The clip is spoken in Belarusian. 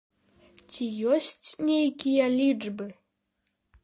Ці ёсць нейкія лічбы?